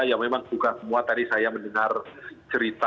ya memang bukan semua tadi saya mendengar cerita